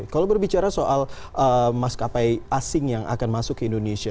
kalau berbicara soal maskapai asing yang akan masuk ke indonesia